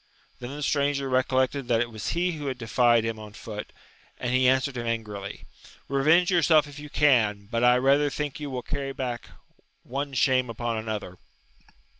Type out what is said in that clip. Then the stranger recollected that it was he who had defied him on foot, and he answered ^him angrily, Kevenge your self if you can, but I rather think you will carry back one shame upon another.